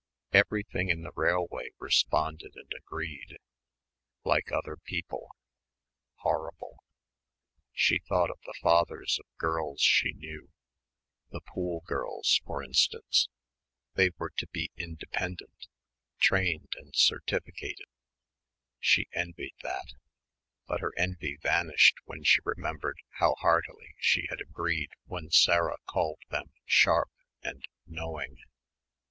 Everything in the railway responded and agreed. Like other people ... horrible.... She thought of the fathers of girls she knew the Poole girls, for instance, they were to be "independent" trained and certificated she envied that but her envy vanished when she remembered how heartily she had agreed when Sarah called them "sharp" and "knowing."